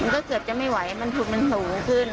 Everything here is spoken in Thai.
ก็เกือบจะไม่ไหวมันทุนมันสูงขึ้น